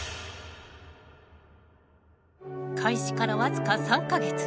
開始から僅か３か月。